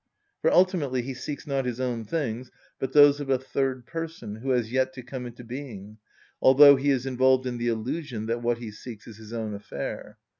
For ultimately he seeks not his own things, but those of a third person, who has yet to come into being, although he is involved in the illusion that what he seeks is his own affair.